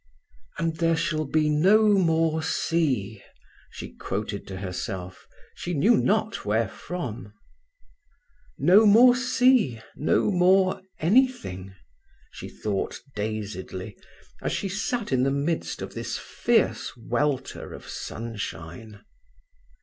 "'And there shall be no more sea,'" she quoted to herself, she knew not wherefrom. "No more sea, no more anything," she thought dazedly, as she sat in the midst of this fierce welter of sunshine.